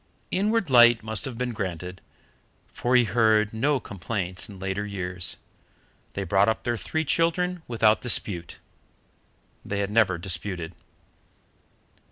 Inward light must have been granted, for he heard no complaints in later years. They brought up their three children without dispute. They had never disputed.